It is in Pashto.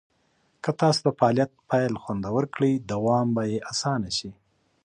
که تاسو د فعالیت پیل خوندور کړئ، دوام به یې اسانه شي.